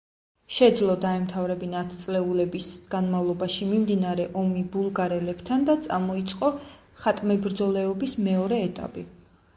შეძლო დაემთავრებინა ათწლეულების განმავლობაში მიმდინარე ომი ბულგარელებთან და წამოიწყო ხატმებრძოლეობის მეორე ეტაპი.